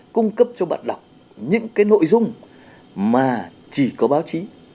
cung cấp cho bạn đọc những cái nội dung mà chỉ có báo chí